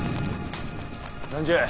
何じゃ。